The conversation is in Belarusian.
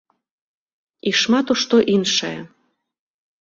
І шмат у што іншае.